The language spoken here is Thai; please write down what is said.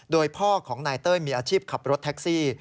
โดยพ่อของนายเต้ยมีอาชีพขับรถแท็กซี่